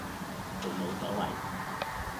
仲冇所謂